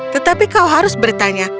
tetapi kau harus bertanya